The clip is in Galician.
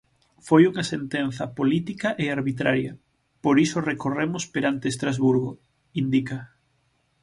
Foi unha sentenza política e arbitraria, por iso recorremos perante Estrasburgo, indica.